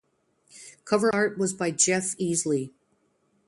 Cover art was by Jeff Easley.